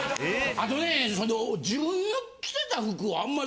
あとね自分の着てた服をあんまり。